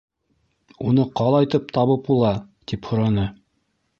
Уны ҡалайтып табып була? - тип һораны.